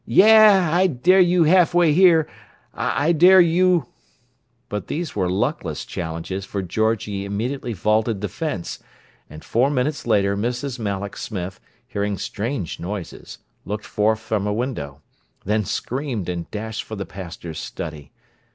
"Yah! I dare you half way here. I dare you—" But these were luckless challenges, for Georgie immediately vaulted the fence—and four minutes later Mrs. Malloch Smith, hearing strange noises, looked forth from a window; then screamed, and dashed for the pastor's study.